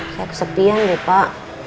saya kesepian deh pak